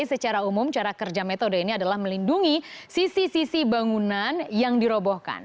secara umum cara kerja metode ini adalah melindungi sisi sisi bangunan yang dirobohkan